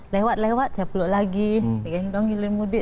lewat lewat saya peluk lagi